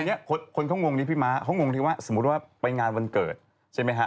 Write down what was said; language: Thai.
อันนี้คนเขางงนี้พี่ม้าเขางงที่ว่าสมมุติว่าไปงานวันเกิดใช่ไหมฮะ